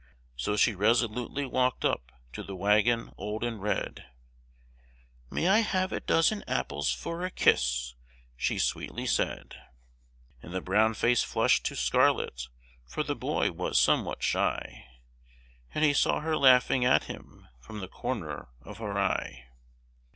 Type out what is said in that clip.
So she resolutely walked up to the wagon old and red; "May I have a dozen apples for a kiss?" she sweetly said: And the brown face flushed to scarlet; for the boy was somewhat shy, And he saw her laughing at him from the corner of her eye.